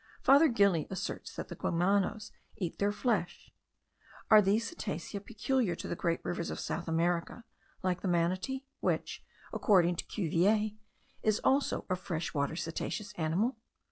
Father Gili asserts that the Gumanos eat their flesh. Are these cetacea peculiar to the great rivers of South America, like the manatee, which, according to Cuvier, is also a fresh water cetaceous animal?